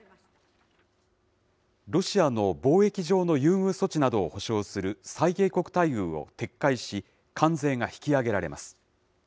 ロシアの貿易上の優遇措置などを保障する最恵国待遇を撤回し、関税が引き上げられます。